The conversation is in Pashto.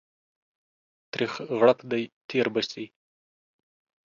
تريخ غړپ دى تير به سي.